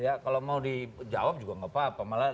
ya kalau mau di jawab juga nggak apa apa